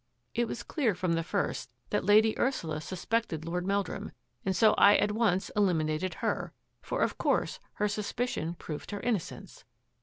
It was clear from the first that Lady Ursula suspected Lord Meldrum and so I at once eliminated her, for of course her suspicion proved her innocence.